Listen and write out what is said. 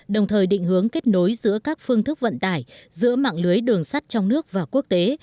đồng thời định hướng kết nối giữa các phương thức vận tải giữa mạng lưới đường sắt trong nước và quốc tế